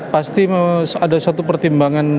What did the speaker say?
pasti ada satu pertimbangan